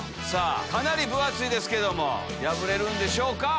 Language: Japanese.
かなり分厚いですけども破れるんでしょうか？